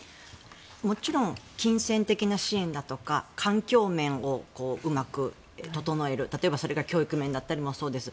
もちろん金銭的な支援だとか環境面をうまく整える例えばそれが教育面だったりもそうです。